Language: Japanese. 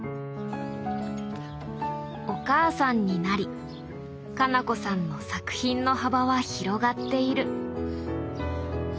お母さんになり花菜子さんの作品の幅は広がっている。